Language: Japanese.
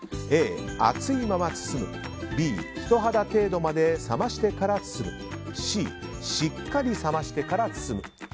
Ａ、熱いまま包むＢ、人肌程度まで冷ましてから包むＣ、しっかり冷ましてから包む。